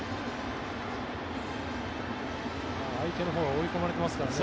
相手のほうが追い込まれてますからね。